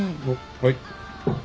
はい。